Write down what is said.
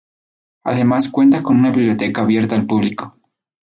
Además cuenta con una biblioteca abierta al público.